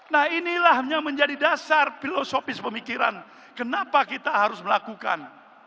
nah inilah yang menjadi dasar filosofis pemikiran kenapa kita harus melakukan